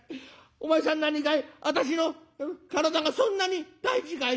お前さん何かい私の体がそんなに大事かい？」。